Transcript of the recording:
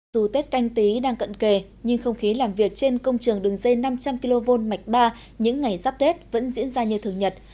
dù tết canh tí đang cận kề nhưng không khí làm việc trên công trường đường dây năm trăm linh kv mạch ba những ngày giáp tết vẫn diễn ra như thường nhật